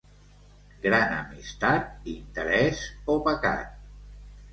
Gran amistat, interès o pecat.